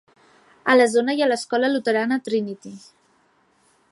A la zona hi ha l'escola luterana Trinity.